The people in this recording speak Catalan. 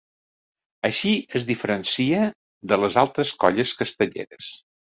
Així es diferencia de les altres colles castelleres.